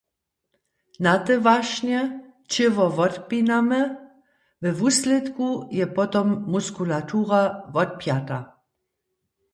Na te wašnje ćěło wotpinamy, we wuslědku je potom muskulatura wotpjata.